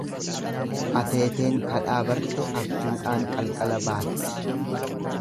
Ateeteen kadhaa barte abjuudhaan qalqala baatti.